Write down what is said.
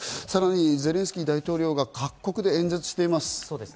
さらにゼレンスキー大統領が各国で演説しています。